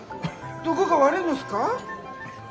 どこか悪いんですか？